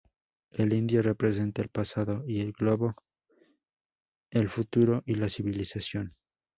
El indio representa el pasado y el globo el futuro y la civilización.